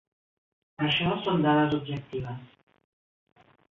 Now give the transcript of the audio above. Això són dades objectives.